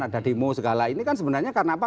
ada demo segala ini kan sebenarnya karena apa